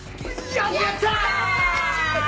やった！